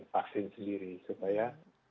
vaksin sendiri supaya